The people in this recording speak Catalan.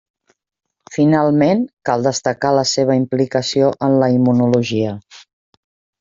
Finalment, cal destacar la seva implicació en la immunologia.